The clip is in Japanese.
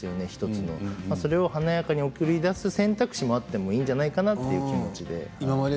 １つの華やかに送り出す選択肢もあってもいいんじゃないかなという気持ちでいます。